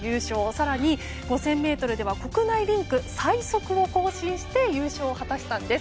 更に５０００ｍでは国内リンク最速を更新して優勝を果たしたんです。